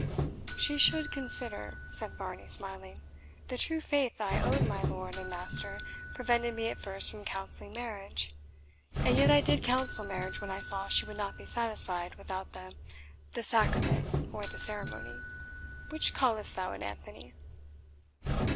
"She should consider," said Varney, smiling, "the true faith I owed my lord and master prevented me at first from counselling marriage; and yet I did counsel marriage when I saw she would not be satisfied without the the sacrament, or the ceremony which callest thou it, Anthony?"